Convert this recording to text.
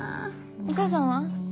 お母さんは？